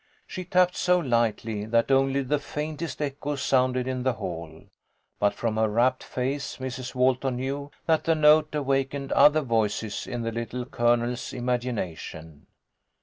She tapped so lightly that only the faintest echo sounded in the hall, but from her rapt face Mrs. Walton knew that the note awakened other voices in the Little Colonel's imagi nation.